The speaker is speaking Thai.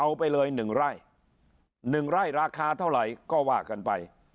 เอาไปเลยหนึ่งไร้หนึ่งไร้ราคาเท่าไรก็ว่ากันไป